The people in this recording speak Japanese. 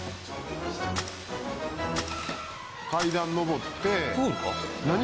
階段上って何！？